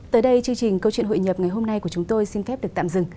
tới đây chương trình câu chuyện hội nhập ngày hôm nay của chúng tôi xin phép được tạm dừng